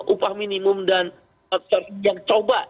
upah minimum dan yang coba